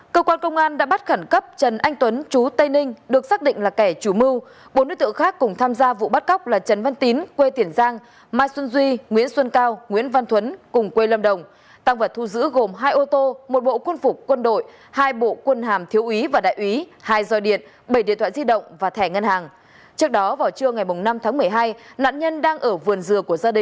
các bạn hãy đăng ký kênh để ủng hộ kênh của chúng mình nhé